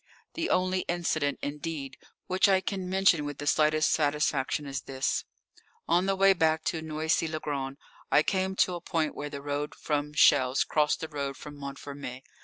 The only incident, indeed, which I can mention with the slightest satisfaction is this: On the way back to Noisy le Grand I came to a point where the road from Chelles crossed the road from Montfermeil.